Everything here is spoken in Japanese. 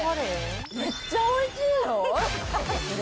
めっちゃおいしいよ。